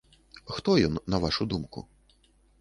Хто ён, на вашу думку?